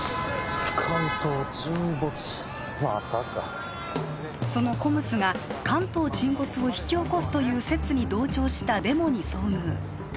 関東沈没またかそのＣＯＭＳが関東沈没を引き起こすという説に同調したデモに遭遇